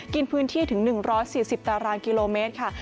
กินพื้นที่ถึง๑๔๐ตารางกิโลเมตรค่ะ